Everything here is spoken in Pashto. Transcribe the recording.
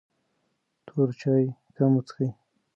تور چای کم وڅښئ.